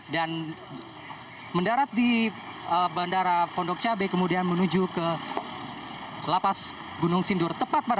dan mendarat di bandara pondok cabe kemudian menuju ke lapas gunung sindur